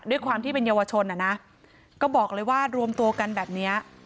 ด้วยความที่เป็นเยาวชนอ่ะนะก็บอกเลยว่ารวมตัวกันแบบนี้